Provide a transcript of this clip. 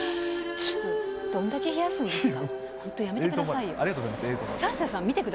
ちょっと、どんだけ冷やすんですか。